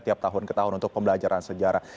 tiap tahun ke tahun untuk pembelajaran sejarah